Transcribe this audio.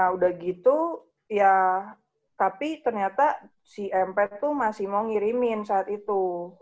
udah gitu ya tapi ternyata si empet tuh masih mau ngirimin saat itu